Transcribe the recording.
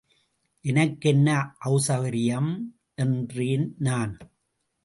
எனக்கென்ன அசெளகரியம்? என்றேன்.நான்.